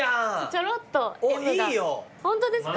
ちょろっと「Ｍ」が。